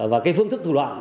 và cái phương thức thủ đoạn